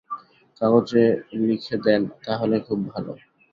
কাগজে লিখে দেন, তাহলে খুব ভালো।